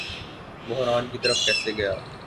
بحران کی طرف کیسے گیا